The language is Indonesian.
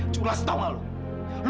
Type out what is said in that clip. curlas tau nggak lu